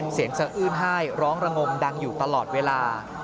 เสียงเสอื้นห้ายร้องระงมดังอยู่ตลอดเวลา